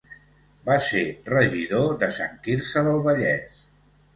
Va ser regidor de Sant Quirze del Vallès.